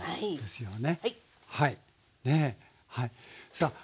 さあ